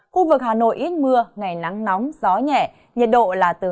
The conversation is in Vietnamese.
khu vực hà nội ít mưa ngày nắng nóng gió nhẹ nhiệt độ là từ hai mươi bảy ba mươi bảy độ